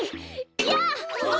やあ！